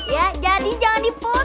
ya jadi jangan dipoteng